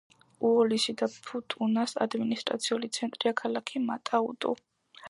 უოლისი და ფუტუნას ადმინისტრაციული ცენტრია ქალაქი მატა-უტუ.